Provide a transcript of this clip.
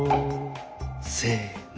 せの。